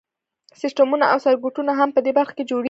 سیسټمونه او سرکټونه هم په دې برخه کې جوړیږي.